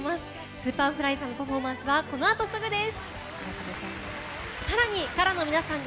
Ｓｕｐｅｒｆｌｙさんのパフォーマンスはこのあとすぐです。